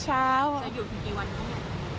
จะอยู่ที่กี่วันนี้